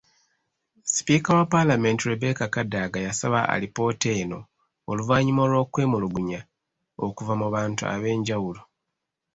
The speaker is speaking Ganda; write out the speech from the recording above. Sipiika wa palamenti Rebecca Kadaga yasaba alipoota eno oluvannyuma lw'okwemulugunya okuva mu bantu ab'enjawulo.